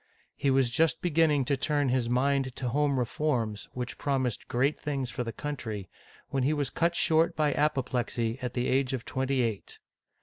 He was just beginning to turn his mind to home reforms, which promised great things for the country, when he was cut short by apoplexy at the age of twenty eight.